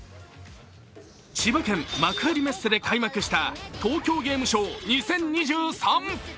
千葉県・幕張メッセで開幕した東京ゲームショウ２０２３。